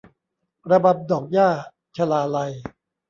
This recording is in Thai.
ระบำดอกหญ้า - ชลาลัย